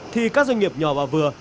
thì các doanh nghiệp nhỏ và vừa